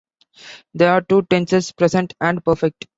There are two tenses: present and perfect.